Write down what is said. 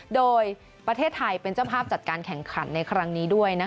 โดยประเทศไทยเป็นเจ้าภาพจัดการแข่งขันในครั้งนี้ด้วย